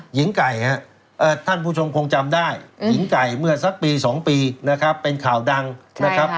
หญิงไก่ครับท่านผู้ชมคงจำได้หญิงไก่เมื่อสักปี๒ปีนะครับเป็นข่าวดังนะครับ